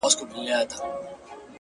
• شاوخوا پر حجره یې لکه مار وګرځېدمه,